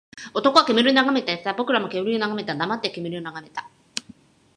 男は煙を眺めていた。僕らも煙を眺めた。黙って煙を眺めた。